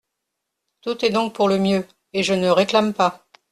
Tout est donc pour le mieux, et je ne réclame pas.